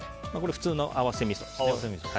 普通の合わせみそですね。